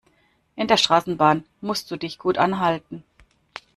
In der Straßenbahn musst du dich gut anhalten.